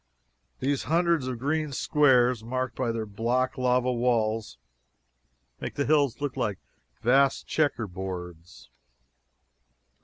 These hundreds of green squares, marked by their black lava walls, make the hills look like vast checkerboards.